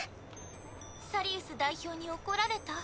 サリウス代表に怒られた？